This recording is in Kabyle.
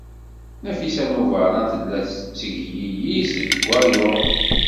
Nafisa n Ubeṛṛan tella tettegliliz deg waluḍ.